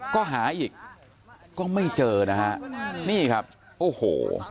ก็หาอีกก็ไม่เจอนะฮะนี่ครับโอ้โห